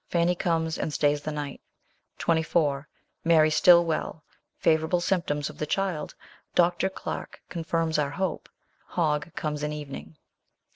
Fanny comes and stays the night. ... 24. Mary still well ; favourable symptoms of the child. Dr. Clarke confirms our hope. ... Hogg comes in evening.